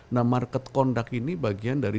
nah market conduct ini bagian dari